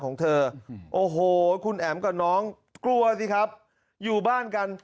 ของเธอโอ้โหคุณแอ๋มกับน้องกลัวสิครับอยู่บ้านกัน